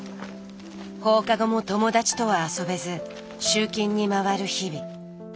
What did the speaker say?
放課後も友達とは遊べず集金に回る日々。